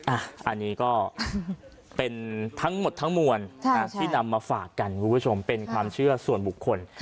อันนี้ก็เป็นทั้งหมดทั้งมวลที่นำมาฝากกันคุณผู้ชมเป็นความเชื่อส่วนบุคคล